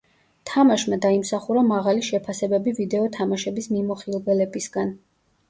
თამაშმა დაიმსახურა მაღალი შეფასებები ვიდეო თამაშების მიმოხილველებისგან.